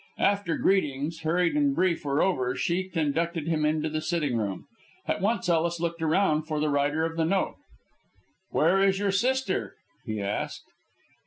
After greetings, hurried and brief, were over, she conducted him into the sitting room. At once Ellis looked round for the writer of the note. "Where is your sister?" he asked.